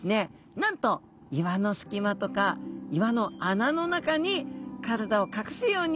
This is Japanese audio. なんと岩の隙間とか岩の穴の中に体を隠すように。